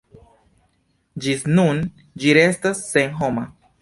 Ĝis nun, ĝi restas sennoma.